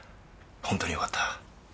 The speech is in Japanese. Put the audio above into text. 本当によかった。